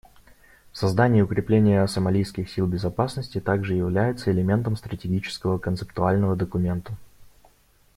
Создание и укрепление сомалийских сил безопасности также являются элементом стратегического концептуального документа.